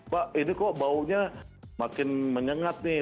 pak ini kok baunya makin menyengat nih